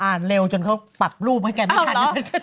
เร็วจนเขาปรับรูปให้แกไม่ทัน